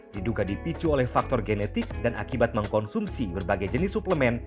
diduga dipicu oleh faktor genetik dan akibat mengkonsumsi berbagai jenis suplemen